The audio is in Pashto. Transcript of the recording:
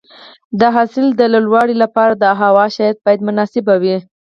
د حاصل د لوړوالي لپاره د هوا شرایط باید مناسب وي.